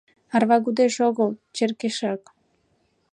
— Арвагудеш огыл, черкешак...